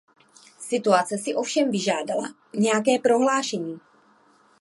Situace si ovšem vyžádala nějaké prohlášení.